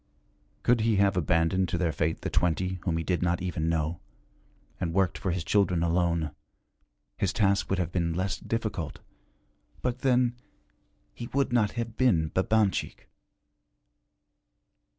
Could he have abandoned to their fate the twenty whom he did not even know, and worked for his children alone, his task would have been less difficult; but then he would not have been Babanchik.